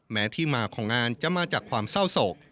แม้ที่มาของงานจะมาจากความเศร้าโศก